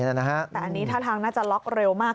แต่อันนี้ท่าทางน่าจะล็อกเร็วมาก